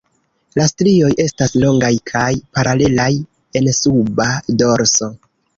La strioj estas longaj kaj paralelaj en suba dorso.